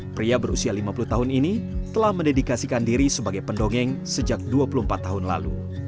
pria berusia lima puluh tahun ini telah mendedikasikan diri sebagai pendongeng sejak dua puluh empat tahun lalu